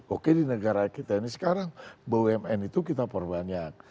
oke di negara kita ini sekarang bumn itu kita perbanyak